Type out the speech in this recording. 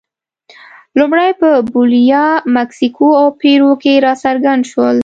لومړی په بولیویا، مکسیکو او پیرو کې راڅرګند شول.